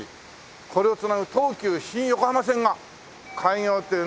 これをつなぐ東急新横浜線が開業というね。